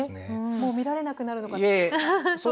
もう見られなくなるのかと。